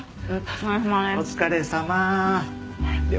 お疲れさまです。